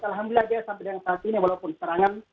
alhamdulillah dia sampai dengan saat ini walaupun serangan